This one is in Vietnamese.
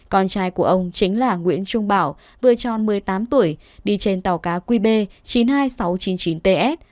con trai của ông chính là nguyễn trung bảo vừa tròn một mươi tám tuổi đi trên tàu cá qb chín mươi hai nghìn sáu trăm chín mươi chín ts